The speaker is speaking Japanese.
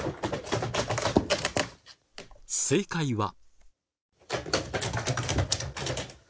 正解は。